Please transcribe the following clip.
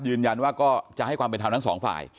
ยืนยันว่าก็จะให้ความเป็นธรรมทั้งสองฝ่าย